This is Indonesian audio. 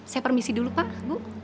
saya permisi dulu pak bu